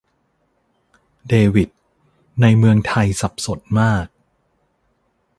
เดวิด: ในเมืองไทยสับสนมาก